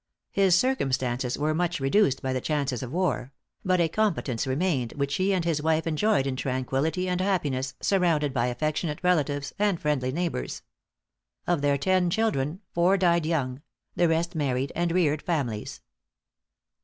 His circumstances were much reduced by the chances of war; but a competence remained, which he and his wife enjoyed in tranquillity and happiness, surrounded by affectionate relatives and friendly neighbors. Of their ten children, four died young; the rest married and reared families.